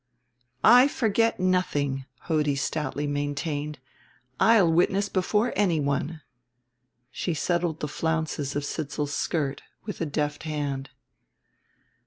"I forget nothing," Hodie stoutly maintained; "I'll witness before anyone." She settled the flounces of Sidsall's skirt with a deft hand.